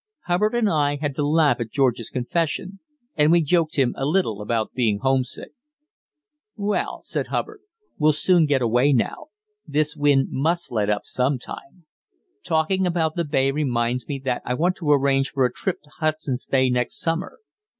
Hubbard and I had to laugh at George's confession, and we joked him a little about being homesick. "Well," said Hubbard, "we'll soon get away now; this wind must let up some time. Talking about the bay reminds me that I want to arrange for a trip to Hudson's Bay next summer.